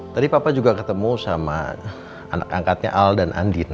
tadi papa juga ketemu sama anak angkatnya al dan andin